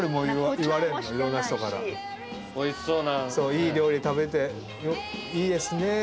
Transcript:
いい料理食べていいですねって。